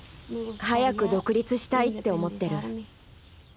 早く独立したいって思ってる。